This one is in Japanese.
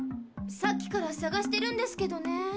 さっきからさがしてるんですけどね。